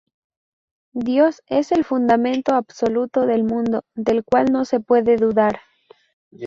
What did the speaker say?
Dios es el fundamento absoluto del mundo, del cual no se puede dudar.